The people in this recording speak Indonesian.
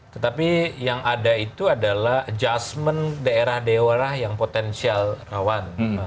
tetapi yang ada itu adalah adjustment daerah daerah yang potensial rawan